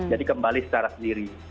jadi kembali secara sendiri